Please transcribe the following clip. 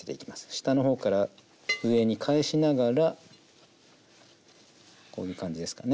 下の方から上に返しながらこういう感じですかね。